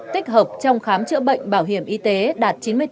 tích hợp trong khám chữa bệnh bảo hiểm y tế đạt chín mươi bốn